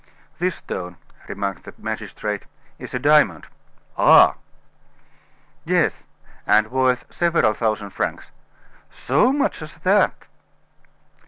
"This stone," remarked the magistrate, "is a diamond." "Ah!" "Yes; and worth several thousand francs." "So much as that!"